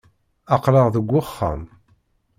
Aql-aɣ deg wexxam.